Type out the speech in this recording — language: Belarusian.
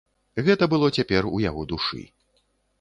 Гэта было цяпер у яго душы.